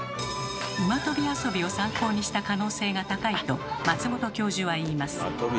馬とび遊びを参考にした可能性が高いと松本教授は言います。